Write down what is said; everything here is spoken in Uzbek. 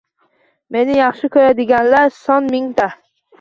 Meni yaxshi ko`radiganlar son-mingta